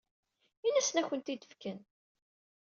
Ini-asen ad ak-tent-id-fken.